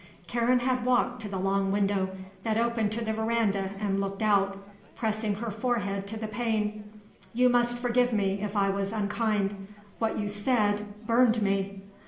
Karen had walked to the long window that opened to the verandah and looked out, pressing her forehead to the pane. "You must forgive me if I was unkind. What you said burned me."